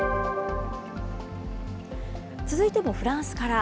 続いてもフランスから。